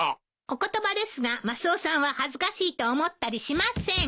お言葉ですがマスオさんは恥ずかしいと思ったりしません。